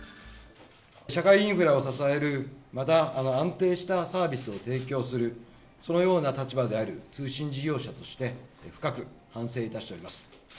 社会インフラを支える、また安定したサービスを提供する、そのような立場である通信事業者として、深く反省いたしております。